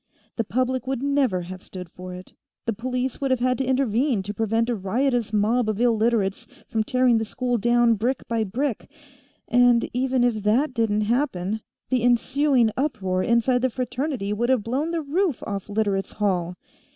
The public would never have stood for it; the police would have had to intervene to prevent a riotous mob of Illiterates from tearing the school down brick by brick, and even if that didn't happen, the ensuing uproar inside the Fraternity would have blown the roof off Literates' Hall.